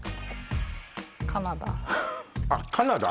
あっカナダ？